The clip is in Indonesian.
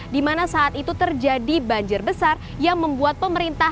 di mana saat itu terjadi banjir besar yang membuat pemerintah